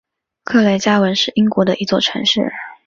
克雷加文是英国的一座城市。